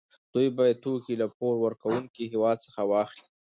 دوی باید توکي له پور ورکوونکي هېواد څخه واخلي